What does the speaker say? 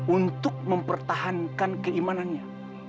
untuk mempertahankan keimanannya